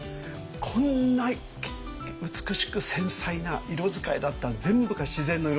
こんな美しく繊細な色使いだった全部が自然の色なんです。